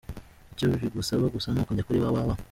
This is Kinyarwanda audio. Icyo bigusaba gusa ni ukujya kuri www.